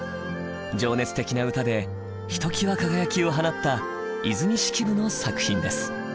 情熱的な歌でひときわ輝きを放った和泉式部の作品です。